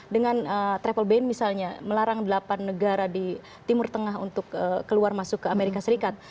dengan travel ban misalnya melarang delapan negara di timur tengah untuk keluar masuk ke amerika serikat